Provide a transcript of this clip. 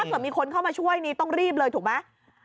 เกิดมีคนเข้ามาช่วยนี่ต้องรีบเลยถูกไหม